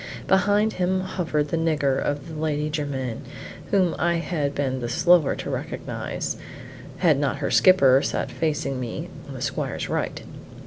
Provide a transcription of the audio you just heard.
Behind him hovered the nigger of the Lady Jermyn, whom I had been the slower to recognize, had not her skipper sat facing me on the squire's right.